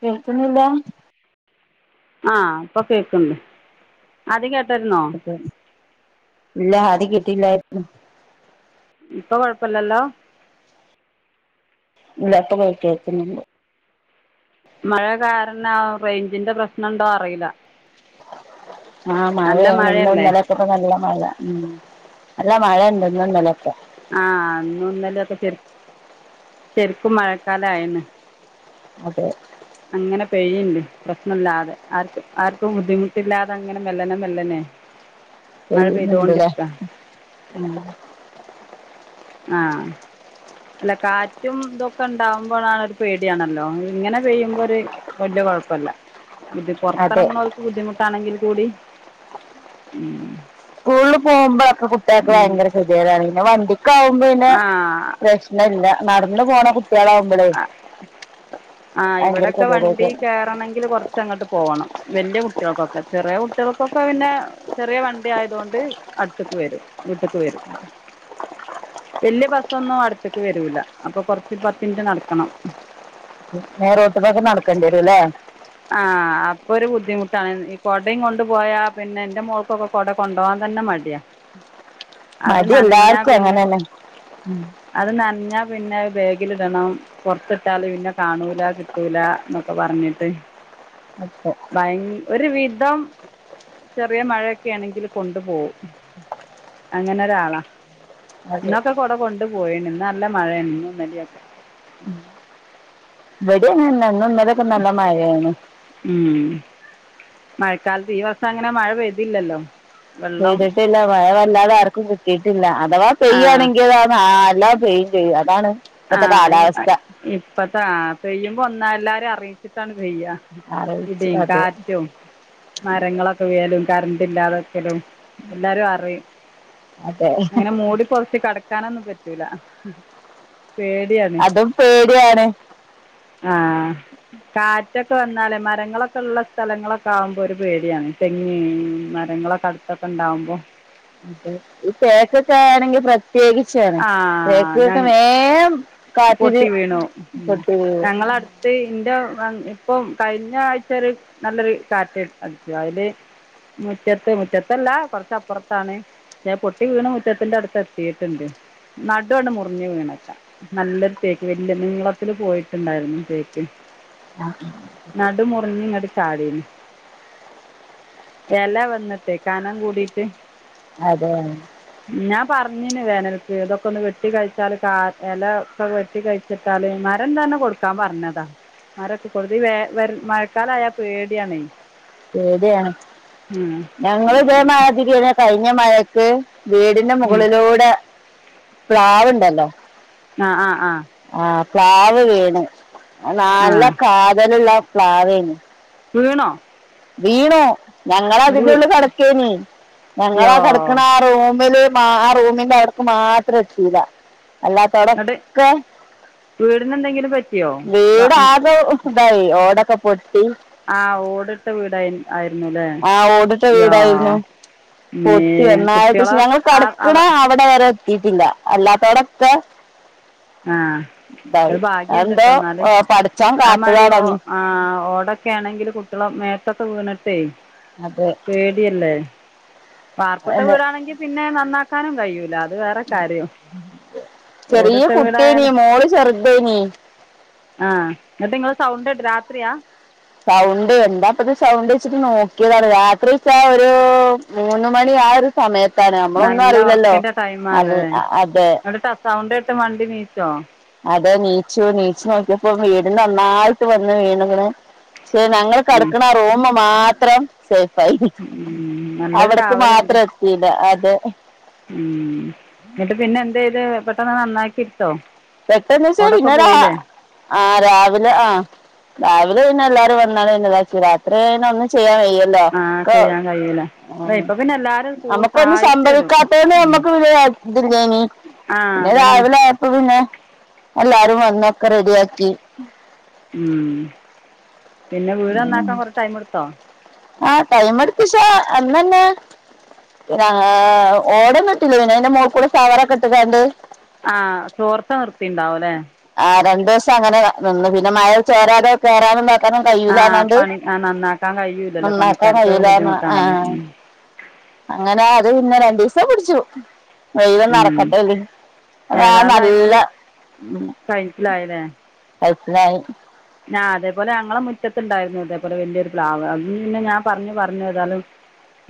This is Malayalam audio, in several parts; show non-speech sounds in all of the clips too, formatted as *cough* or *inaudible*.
കേൾക്കുന്നില്ല ആഹ് ഇപ്പൊ കേൾക്കണ്ട് ആദ്യം കേട്ടരുന്നോ ഇല്ല ആദ്യം കിട്ടിയില്ലായിരുന്നു ഇപ്പൊ കൊഴപ്പില്ലല്ലോ ഇല്ലപ്പൊ *unintelligible* കേക്കുന്നുണ്ട് മഴ കാരണം റേഞ്ചിന്റെ പ്രശ്നം ഉണ്ടോ അറിയില്ല ആ നല്ല മഴയാണ് ഇന്നും മഴയല്ലേ ഇന്നലെ ഇപ്പക്കെ നല്ല മഴ ഉം നല്ല മഴയ്ണ്ട് ഇന്നും ഇന്നലെക്കെ ആ ഇന്നും ഇന്നലെക്കെ ശരി ശരിക്കും മഴക്കാലായെന്ന് അതെ അങ്ങനെ പെയ്ണ്ട് പ്രശ്നല്ലാതെ ആർക്ക് ആർക്കും ബുദ്ധിമുട്ടില്ലാതെ അങ്ങനെ മെല്ലെ നെ മെല്ലെനെ ചെയ്ന്ന്ണ്ട് ടെ ആ ആഹ് അല്ല കാറ്റും ഇതൊക്കെ ഉണ്ടാവുമ്പോഴാണ് ഒരു പേടിയാണല്ലോ ഇങ്ങനെ പെയ്യുമ്പോ ഒര് വല്ലകുഴപ്പല്ല ഇത് അതെ പുറത്തിറങ്ങുന്നവർക്ക് ബുദ്ധിമുട്ടാണെങ്കി കൂടി ഉം സ്കൂളിൽ പോകുമ്പോ കുട്ടികൾക്ക് ഭയങ്കര ഉം ശല്യമാണ് പിന്നെ വണ്ടിക്ക ആകുമ്പോ പിന്നെ ആ പ്രശ് ഇല്ല ഇല്ല നടന്ന പോണ കുട്ടിയള ആഹ് ആഹ് ഭയങ്കര ഇവിടെക്കെ വണ്ടി ഗതികേടായിരിക്കും കേറണമെങ്കി കൊറച്ച് ച്ച് അങ്ങോട്ട് പോവണം വലിയ കുട്ടികൾക്കൊക്കെ ചെറിയ കുട്ടിയ ൾക്കൊക്കെ പിന്നെ ചെറിയ വണ്ടി ആയതൊണ്ട് അടുത്തക്ക് വരും വീട്ടക്ക് വരും. വല്യ ബസൊന്നും അടുത്ക്ക് വരൂല്ല അപ്പൊ കൊറച്ച് പത്ത് മിനിറ്റ് നടക്കണം. നേരെ റോട്ട്മക്ക് നടക്കേണ്ടി വരും ല്ലേ ആഹ് അപ്പൊ ഒരു ബുദ്ധിമുട്ടാണ് ഈ കൊടയും കൊണ്ടു പോയ പിന്നെ എന്റെ മോൾക്കൊക്കെ കൊട കൊണ്ടുവാൻ തന്നെ മടിയാ മടി എല്ലാർക്കും അങ്ങനെന്നെ അത് നനഞ്ഞാ പിന്നെ ബേഗിലിടണം പുറത്തിട്ടാല് പിന്നെ കാണൂല കിട്ടൂല എന്നൊക്കെ പറഞ്ഞിട്ട് അതെ ഭയ ഒരു വിധം ചെറിയ മഴയൊക്കെ ആണെങ്കിൽ കൊണ്ടുപോവും. അങ്ങനെ ഒരാളാ അതെ ഇന്നൊക്കെ കൊട കൊണ്ട് പോയി ന്ന് നല്ല മഴയണ്ട് ഇന്നു ഇന്നലെയൊക്കെ ഇവടിം അങ്ങനെന്നെ ഇന്നും ഇന്നലൊക്കെ നല്ല മഴയാണ് ഉം മഴക്കാലത്ത് ഈ മാസം അങ്ങനെ മഴ പെയ്തില്ലല്ലോ വെള്ളം പെയെയ്തിട്ടില്ല മഴ വല്ലാതെ ആർക്കും കിട്ടിയിട്ടില്ല അഥവാ ആഹ് പെയ്യയാണെങ്കിൽ നല്ല പെയ്യും പെയ്യ് അതാണ് ഇപ്പത്തെ കാലാവസ്ഥ അപ്പ താ പെയ്യുമ്പോ ഒന്നാ എല്ലാരിം അറിയിച്ചിട്ടാണ് പെയ്യ ആലോചിച്ച് ഇടിം അതെ കാറ്റും മരങ്ങളൊ *unintelligible* കറണ്ട്ന്റ് ഇല്ലാതൊക്കെലും എല്ലാരും അറിയും അതെ അങ്ങനെ മൂടി പൊതച്ച് കടക്കാനൊന്നും പറ്റൂല പേ അതും പേടിയാണ് ആഹ് കാറ്റൊക്കെ വന്നാലേ മരങ്ങളൊക്കെ ഉള്ള സ്ഥലങ്ങളൊക്കെ ആവുമ്പോ ഒരു പേടിയാണ് തെങ്ങേ മരങ്ങളൊ അടുത്തൊക്കെ ഉണ്ടാവുമ്പോ അതെ ഈ തേക്കൊക്കെ ആണെങ്കി പ്ര പ്രത്യേകിച്ചാണ് ആഹ് ഞ തേക്കൊക്കെ വേം കാറ്റില് പൊട്ടി പൊട്ടി വീയും ഇപ്പെ ഇന്റെ ഇപ്പം കഴിഞ്ഞ ആഴ്ച ഒരു നല്ലൊരു കാറ്റ് അടിച്ചു അയില് മുറ്റത്ത് മുറ്റത്തല്ല കൊറച്ച് അപ്പുറത്താണ് ഞാൻ പൊട്ടി വീണ് മുറ്റത്തിന്റെ അടുത്ത് എത്തിയിട്ടുണ്ട് നട്ടുവെ അണ്ട് മുറിഞ്ഞു വീണക്ക നല്ലൊരു തേക്ക് വലിയ നീളത്തില് പോയിട്ടുണ്ടായിരുന്നു തേക്ക് ആഹ് നടു മുറിഞ്ഞ് ഇങ്ങട്ട് ചാടീന് എല വന്നിട്ടെ കനം കൂടിട്ട് അതെയോ ഞാൻ പറഞ്ഞ്ന് വേനൽ ഇതൊക്കെ ഒന്ന് വെട്ടി കഴിച്ചാല് കാ ഇല ഒക്കെ വെട്ടി കഴിച്ചിട്ടാല് മരം തന്നെ കൊടുക്കാൻ പറഞ്ഞതാ മരക്കെ കൊടുതി ഈ വെ മഴക്കാലായ പേടിയാണേ ശരിയാണ് ഞങ്ങള് ഇതേ മാതിരി ഇവിടെ കഴിഞ്ഞ മഴ ക്ക് വീടിന്റെ മുകളിലൂടെ പ്ലാവ്ണ്ടല്ലോ ആ ആ ആ ആഹ് പ്ലാവ് വീണ് ആ നാല്ല കാതലുള്ള പ്ലാവേനി വീണോ വീണു ഞങ്ങളെ എന്നിട്ട് അതിന്റെ വീ ഉള്ളില് കടക്കേനി യ്യോ ഞങ്ങളാ കടക്ക്ണ ആ റൂമില് ആ റൂമിന്റെ അവിടക്ക് മാത്രം എത്തില അല്ലാ എന്നിട്ട് ത്തോടൊക്കെ വീടിന് എന്തെങ്കിലും പറ്റിയോ വീടാകെ ക്കെതായി ഓടൊക്കെ പൊട്ടി ആഹ് ഓടിട്ട വീടായി ആയിരുന്നു ല്ലേ ആ ഓടിട്ട യാഹ് വീടായിരുന്നു പൊട്ടി ഒന്നായി പക്ഷെ ഞങ്ങൾ കടക്ക്ണ അവ അവടെ വരെ എത്തിയിട്ടില്ല അല്ലാത്തോടൊക്കെ ആ തായി അത് ആ ഭാഗ്യമുണ്ട് എന്തോ കേട്ടോ പടച്ചോൻ കാത്തതാണ് ഇത് ആഹ് ഓടൊക്കെ ആണെങ്കിൽ കുട്ടികളെ മേത്തൊക്കെ വീണിട്ടേ അതേ പേടിയല്ലേ ഏ, പാവപ്പെട്ട മോ- വീടാണെങ്കി പിന്നെ നന്നാക്കാനും കഴിയൂല ചെറിയ ഓടിട്ട വീടായാൽ കുട്ടിയേനി മോള് ചെറുതേനി ആഹ് ഇന്നട്ട് ഇങ്ങള് സൗണ്ട് കേട്ടത് രാത്രിയാ സൗണ്ട് എന്താപ്പത് സൗണ്ട് വെച്ചിട്ട് നോക്കിയതാണ് രാത്രി വെച്ചാ ഒരു മൂന്ന് മണി ആ ഒരു സമയത്താണ് നമ്മളൊന്നും നല്ല അറിയില്ലല്ലോ ഉറക്കത്തിൻ്റെ അത് ടൈമാണല്ലേ അതെ എന്നിട്ട് സൗണ്ട് കേട്ട് മണ്ടി നീച്ചോ അതെ നീച്ചു നീച്ച് നോക്കിയപ്പോ വീട് നന്നായിട്ട് വന്ന് വീണ്ക്ക്ണ് ക്ഷേ ഞങ്ങള് കടക്ക്ണ ആ റൂമ് മാത്രേ ശ അത് നല്ലൊരു അവിടക്ക് കാവലുണ്ട് മാത്രം എത്തിയില്ല അതെ ഉം എന്നിട്ട് പിന്നെ എന്ത് ചെയ്ത് പെട്ടെന്ന് നന്നാക്കിട്ടോ പെട്ടെന്ന് ച്ചാ ഇന്നലാ ആ രാവിലെ ആഹ് രാവിലെ പിന്നെ എല്ലാവാരും വരുന്നത് എന്നതാച്ചാ രാത്രി പിന്നെ ഒന്നും ചെയ്യാൻ വയ്യ ആഹ് ഇതൊക്കെ ചെയ്യാൻ കഴിയൂല അതെ ഇപ്പൊ പിന്നെ എല്ലാരും കൂ നമ്മുക്ക് ഒന്നും സഹായിച്ചു തരും സംഭവിക്കാത്തന്നെ ഉം നമ്മുക്ക് വി ഇത് ല്ലേനി ആഹ് പിന്നെ അതന്നെ രാവിലെയായപ്പൊ പിന്നെ എല്ലാരും വന്നൊക്കെ റെഡിയാക്കി ഉം പിന്നെ വീട് നന്നാക്കാൻ കുറച്ച് ടൈം എടുത്തോ ആഹ് ടൈ അടുത്തീഷാ അന്നന്നെ ഒരാ ഓടൊന്നുട്ടില്ല അന്റെ മോൾക്കൂടെ സാവറൊക്കെ ഇട്ട് കാണ്ട് ആഹ് ചോർത്ത നിർത്തിയിട്ടുണ്ടാവും അല്ലേ ആ രണ്ടു ദിവസം അങ്ങനെ നിന്നന്ന് പിന്നെ മഴ ചേരാതെ ചേരാതെ ആഹ് പണി ആ നന്നാക്കാൻ കഴിയൂല്ലല്ലോ നന്നാക്കാൻ പണിക്കാർക്ക് ബുദ്ധിമുട്ടാണല്ലോ ഉം അങ്ങനാ അത് പിന്നെ രണ്ടു ദിവസം പിടിച്ചു എല്ലം ഉം നടക്കട്ടെലെ അതാ നല്ല കയിച്ചിലായിലെ കയിച്ചിലായി ഞാ അതേപോലെ അങ്ങളെ മുറ്റത്ത്ണ്ടായിരുന്നു ഇതേപോലെ വല്ല്യൊരു പ്ലാവ് അതും പിന്നെ ഞാൻ പറഞ്ഞ് പറഞ്ഞ് ഏതാലും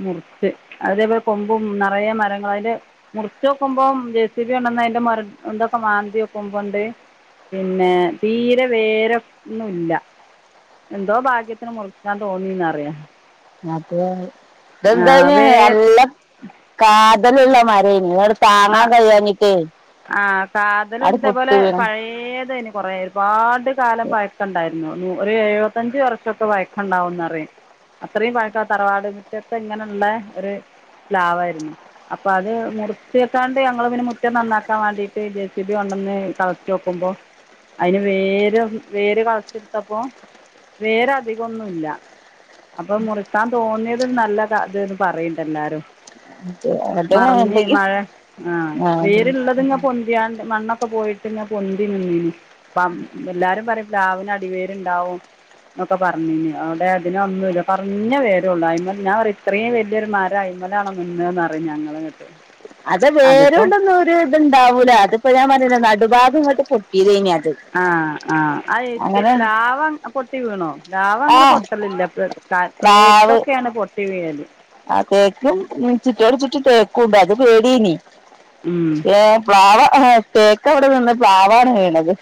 മുർച്ച് അതേപോലെ കൊമ്പും നറയെ മരങ്ങള അതില് മുർച്ച് നോക്കുമ്പോം ജെ സി ബി കൊണ്ടന്ന് അതിന്റെ മൊരാ ഇന്തൊക്കെ മാന്തിയോക്കുമ്പണ്ട് പിന്നെ തീരെ വേരൊ ന്നുല്ല എന്തോ ഭാഗ്യത്തിന് മുറിക്കാൻ തോന്നിന്നറിയ മറ്റെത ഇതെന്തയ് ന് വേ നല്ല കാതല്ള്ള മരെയ്നി താങ്ങാൻ ആ കഴിയാഞ്ഞിട്ടെ അട് പൊട്ടി വീണ് യേതയ്ന് കൊറേ ഒരുപാട് കാലം പഴക്കണ്ടായി ന്നു ഒരെ എഴുവത്തഞ്ചച് വർഷൊക്കെ വയക്കണ്ടാവും ന്നറിയും അത്രീം പഴക്കം ആ തറവാട് മുറ്റത്ത് ഇങ്ങനെള്ള ഒര് പ്ലാവായിരുന്നു അപ്പൊ അത് മുർ ച്ചെ ക്കാണ്ട് ഞങ്ങൾ പിന്നെ മുറ്റം നന്നാക്കാൻ വാണ്ടീറ്റ് ജെ സി ബി കൊണ്ടന്ന് കളച്ചോക്കുമ്പോ അയിന് വേര് വേര് കളച്ച്ട്ത്തപ്പോ വേര അധികൊന്നുല്ല. അപ്പൊ മുറിക്കാൻ തോന്നിയത് നല്ലത അത് ന്ന് പറയ്ണ്ട് എല്ലാരും *unintelligible* ആഹ് വേര് ഇള്ളത്ങ്ങ പൊ ന്തിങ്ങാണ്ട് മണ്ണൊക്കെ പോയിട്ട് ഇങ്ങ പൊന്തി നിന്നീനിം അപ്പ അന്ന് എല്ലാരും പറയും പ്ലാവിന് അടിവോര്ണ്ടാവും ന്നൊക്കെ പറഞ്ഞിനിം അതോണ്ട് ഞ ഇതിന് ഒന്നുല്ല കൊർഞ്ഞെ വോരൊള്ളൂ അയിമ്മെ ഞാൻ പറ ഇത്രീം വല്ല്യൊരുമരായി അയിമലാണോ നിന്നെ പറയും ഞങ്ങള്ന്നട്ട് അത് വേരോണ്ടൊന്നും ഒരു ഇത്ണ്ടാവൂല അതിപ്പോ ഞാൻ പറഞ്ഞിലെ നടുഭാഗം ഇങ്ങട്ട് പൊട്ടിയെതെയ്നി അത് ആഹ് ആഹ് *unintelligible* അങ്ങനെ പ്ലാവ പൊട്ടി വീണോ പ്ലാവ അങ്ങനെ പൊ ആഹ് പൊട്ടലില്ല പ്പ ത പ്ലാവ് തേക്കൊക്കേണ് പൊട്ടി വീയല് ആ തേക്ക് ഉം ചുറ്റൊട് ചുറ്റും തേക്കുംണ്ട് അത് പേടിയെനി ഏഹ് പ്ലാവ് ആഹ് തേക്ക് അവിടെ നിന്ന് പ്ലാവാണ് വീണത്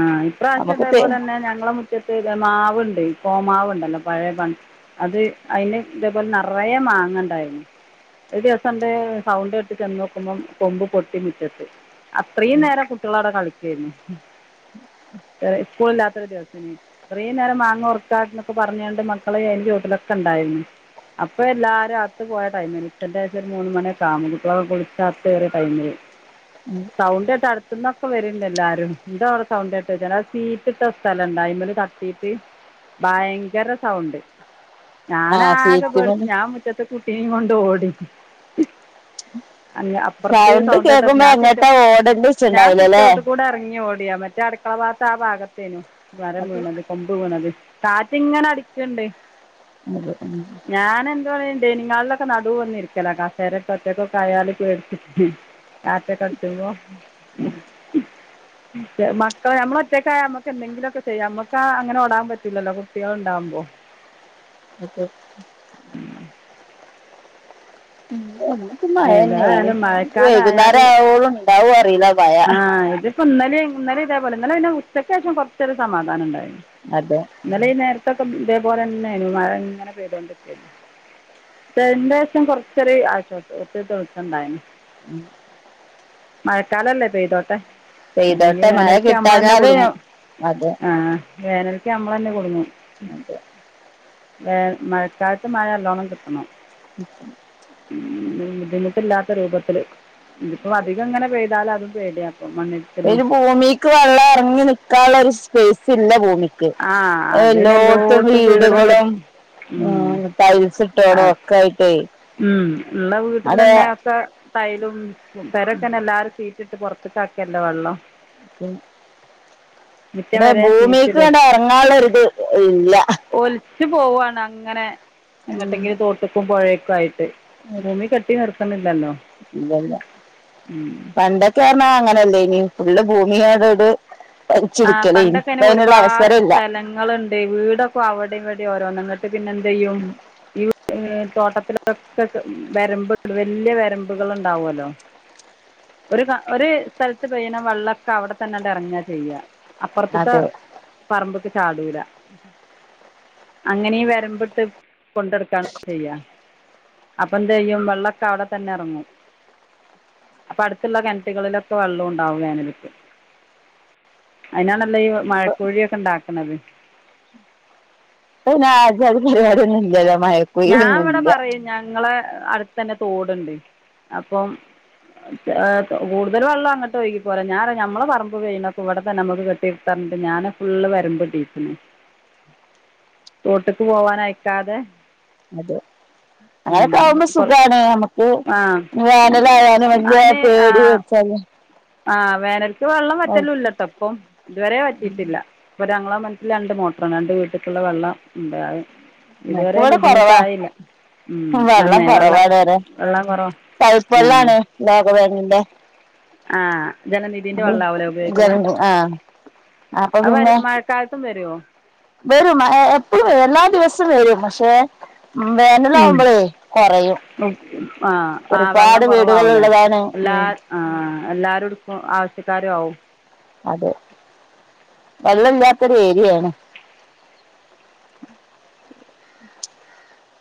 ആഹ് ഇപ്രാവശ്യം നമുക്ക് തേ ഇതേപോലെന്നെ ഞങ്ങളെ മുറ്റത്ത് മാവ്ണ്ട് കോമാവ്ണ്ടല്ലോ പഴെ പ അത് അതിന് ഇതേപോലെ നറയെ മാങ്ങണ്ടായിന്നു ഒര് ദിവസണ്ട് സൗണ്ട് കേട്ട് ചെന്ന് നോക്കുമ്പോം കൊമ്പ് പൊട്ടി മുറ്റത്ത് അത്രീം നേരം കുട്ടികള അവിടെ കളിക്കെയ്ന്നു ഏഹ് സ്കൂൾ ഇല്ലാത്ത ഒരു ദിവസേനി ഇത്രീ നേരം മാങ്ങ ഒർക്കാ എന്നൊക്ക പറഞ്ഞാണ്ട് മക്കള് അതിന്റെ ചൊട്ടിലൊക്കെ ഇണ്ടായിരുന്നു അപ്പൊ എല്ലാരും അകത്ത് പോയ ടൈമെയ്നി ഉച്ചന്റെ ശേഷം ഒരു മൂന്ന് മണിക്കാവുമ്പോ കുട്ടിയാള് കുളിച്ച അകത്ത് കേറിയ ടൈമില് ഉം സൗണ്ട് കേട്ട് അടുത്ത്ന്നൊക്കെ വര്ണ്ട് എല്ലാരും എന്ത സൗണ്ടേട്ട് വെച്ച അത് സീറ്റ് ഇട്ട സ്ഥലണ്ട് അയ്മ്മല് തട്ടീറ്റ് ഭയങ്കര സൗണ്ട് ഞാൻ ആഹ് ആകെ സീറ്റിമ്മല് പേടിച്ച് ഞാൻ മു റ്റത്ത് കുട്ടിനിം കൊണ്ട് ഓടി *inaudible* അല്ല അപ്പർത്ത് സൗണ്ട് കേട്ടപ്പൊ കേക്കുമ്പോ ഞാൻ സിറ്റ് എങ്ങട്ടാ ഞാൻ ഓടണ്ടേച്ച്ണ്ടാവൂലല്ലേ സിറ്റ്ഔട്ട് കൂടെ എറങ്ങി ഓടിയാ മറ്റേ മറ്റേ അടുക്കള ഭാഗത്ത് ആ ഭാഗത്തേനു മരം അത് വീണത് കൊമ്പ് വീണത് കാറ്റ് ഇങ്ങനെ അടിക്ക്ണ്ട് *unintelligible* ഞാൻ എന്തുവാ ഡെയിനിങ് ഹാളിലൊക്കെ നടുൽ വന്നിരിക്കല കസേരട്ട് ഒറ്റക്കൊക്കെ ആയാൽ പേടിച്ചിട്ട് കാറ്റൊക്കെ അട്ച്ചുമ്പോ ഉം മക്കൾ നമ്മള് ഒറ്റക്കായ നമ്മക്ക് എന്തെങ്കിലുമൊക്കെ ചെയ്യാം നമ്മക്ക് ആ അങ്ങനെഓടാൻ പറ്റൂലല്ലോ കുട്ടികൾ ഉണ്ടാവുമ്പോ അതെ ഉം ഇവിടൊക്കെ മഴന്നെ ആണ് ഏതായാലും മഴക്കാലമായാൽ വൈകുന്നേരം ആവോളം ഉണ്ടാവൊ അറിയില്ല മഴ ആഹ് ഇതിപ്പോ ഇന്നലെ ഇന്നലെ ഇതേപോലെ ഇന്നലെ പിന്നെ ഉച്ചക്ക് ശേഷം കുറച്ചൊരു സമാധാനം ഇണ്ടായിരുന്നു അതെ ഇന്നലെ ഈ നേരത്തൊക്കെ ഇതേപോലെ തന്നെയ്ഞ്ഞു മഴ ഇങ്ങനെ പെയ്തോണ്ട്ക്കെയ്നു ദേശം കുറച്ചൊരു ആശ്വാസം കൊറച്ചൊരു തെളിച്ചണ്ടായ്നു ഉം മഴക്കാലല്ലേ പെയ്തോട്ടെ ഇല്ലെങ്കി പെയ്തോട്ടെ മഴ വേനൽക്ക് നമ്മള് തന്നെ കിട്ടാഞ്ഞാല് കുടുങ്ങും അതെ ആഹ് വേനൽക്ക് നമ്മൾ തന്നെ കുടുങ്ങും അതെ വേമഴക്കാലത്ത് മഴനല്ലോണം കിട്ടണം ഉം ഉം ബുദ്ധിമുട്ടില്ലാത്ത രൂപത്തില് ഇതിപ്പോ അധികം ഇങ്ങനെ പെയ്- താൽ അതും പേടിയാപ്പോ മണ്ണി അയ്ന് ഭൂമിക്ക് വെള്ളം എറങ്ങി നിക്കാനുള്ള ഒരു സ് പേസ് ഇല്ല ഭൂമിക്ക് ആ അതിന് എല്ലോട്ത്തും എല്ലായിടത്തും വീടും വീടുകളും കെട്ടി ആഹ് ടൈൽസ് ആ ഇട്ടോടൊക്കെ ആയിട്ടേ അതെ തൈലും പെരക്കെങ്ങനെ എല്ലാരും സീറ്റിട്ട് പുറത്ത്ക്ക് ആക്കല്ലേ വെള്ളം മുറ്റം ഇവിടെ വരെ ഷീറ്റിട് ഭൂമിക്ക്ങ്ങട്ട് ഇറങ്ങാനുള്ളൊരിത് ഇല്ല ഒലിച്ചു പോവാണ് അങ്ങനെ എങ്ങോട്ടെങ്കിലും തോട്ട്ക്കും പൊഴേക്കും ആയിട്ട് ഭൂമി കെട്ടി നിർത്ത്ണ്ല്ലല്ലോ ഉം കാരണം അങ്ങനെയല്ലേയ്ന് ഫുള്ള് ഭൂമിയായതോണ്ട് വരിച്ചിടുക്കലേയ്ന് പ്പൊ അതിനുള്ള അവസരം ഇല്ല ങ്ങളുണ്ട് വീടക്കെ അവിടിം ഇവിടിം ഓരോന്ന്ന്നട്ട് പിന്നെ എന്ത്‌ ചെയ്യും തോട്ടത്തിലൊക്കെ വരമ്പ് വലിയ വരമ്പുകൾ ഉണ്ടാവോല്ലോ ഒരു ഒരു സ്ഥലത്ത് പെയ്യ്ണ വെള്ളക്കെ അവിടെ തന്നെ എറങ്ങ ചെയ്യ അപ്പറത്ത്ത്തെ അതെ ഇപ്പൊ പറമ്പ്ക്ക്‌ ചാടൂല അങ്ങനെ വരബ്ട്ട് കൊണ്ടടുക്കാൻ ചെയ്യ അപ്പൊ എന്ത്‌യ്യും വെള്ളൊക്കെ അവിടെ തന്നെ ഇറങ്ങും അപ്പൊ അടുത്തുള്ള കിണറ്റുകളിലൊക്കെ വെള്ളം ഉണ്ടാവും വേനൽക് അതിനാണല്ല ഈ മഴക്കുഴിയൊക്കെ ഉണ്ടാക്കുന്നത് ഇപ്പ പിന്നെ അഞ്ചാതി പരിപാടിയൊന്നും ഇല്ല്യല്ലെ ഞാൻ ഇവിടെ പറയും ഞങ്ങളെ അടുത്ത തന്നെ തോടുണ്ട് അപ്പം കൂടുൽ വെള്ളം അങ്ങട്ട്ഒഴി പോരാ ഞറ ഞമ്മള പറമ്പ് വഴണ ഇവിടെ തന്നെ നമുക്ക് ഞാന് ഫുള്ള് വരുമ്പോടീച്ച്ണ് തോട്ട്ക്ക് പോവാൻ അയക്കാതെ അതെ അങ്ങനൊക്കെ ആവുമ്പോ സുഖാണ് നമ്മുക്ക് ആ വേനലായാലും വല്യ പേടിയും അതിന് ചില ആഹ് വേനൽക്ക് വെള്ളം വറ്റലില്ലട്ടൊപ്പം ഇതുവരെ വറ്റിട്ടില്ല ഇപ്പൊ ഞങ്ങളെ കിണറ്റ്ല് രണ്ട് മോട്ടറാണ്. രണ്ട് വീട്ട്ക്ക്ള്ള വെള്ളം ഇണ്ട് അത് ഇതുവരെ... ഇവിടെ കുറവാ ബുദ്ധിമുട്ടായില്ല. ഉം, അന്നെ വെള്ളം കുറവാണ് വരെ വെള്ളം കൊറവ. *unintelligible* വേറെന്തെ? ആഹ്. ജലനിധിന്റെ വെള്ളാവുലേ ഉപയോഗിക്കല്? ജലനി ആ അപ്പൊ അത് പിന്നെ മഴക്കാലത്തും വരോ? വരും. എപ്പോഴും വരും, എല്ലാ ദിവസവും വരും... പക്ഷെ? വേനല് ആകുമ്പോളേ ഉം കുറയും. ആഹ് ആഹ് വെള്ളം ഒരുപാട് വീടുകള് കുറവാവൂലേ ഉള്ളതാണ്. എല്ലാ ഉം ആഹ് എല്ലരുടുക്കും. ആവശ്യക്കാരു ആവും. അതെ, വെള്ളമില്ലാത്തൊരു ഏരിയയാണ്.